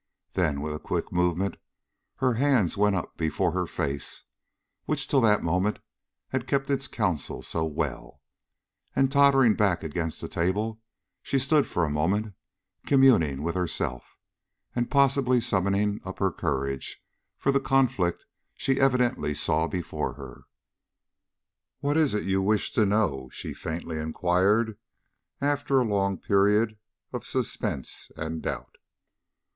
Then, with a quick movement, her hands went up before her face which till that moment had kept its counsel so well and, tottering back against a table, she stood for a moment communing with herself, and possibly summoning up her courage for the conflict she evidently saw before her. "What is it you wish to know?" she faintly inquired, after a long period of suspense and doubt.